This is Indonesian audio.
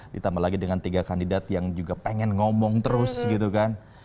ditambah lagi dengan tiga kandidat yang juga pengen ngomong terus gitu kan